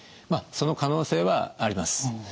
まあその可能性はあります。